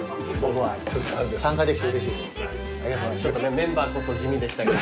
メンバーこそ地味でしたけど。